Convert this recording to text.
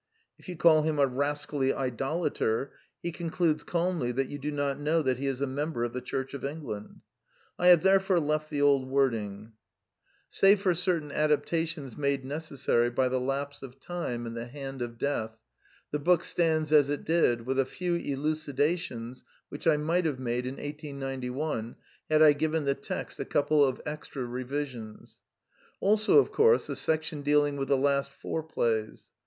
If you call him a rascally idola ter, he concludes calmly that you do not know that he is a member of the Church of England. I have therefore left the old wording. Save for xu Preface: 1913 certain adaptations made necessary by the lapse of time and the hand of death, the book stands as it did, with a few elucidations which I might have made in 1891 had I given the text a couple of extra revisions. Also, of course, the section deal ing with the last four plays.